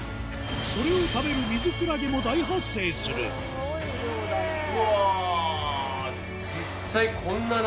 それを食べるミズクラゲも大発生するスゴい量だな。